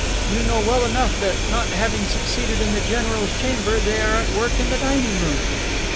You know well enough that, not having succeeded in the general's chamber, they are at work in the dining room."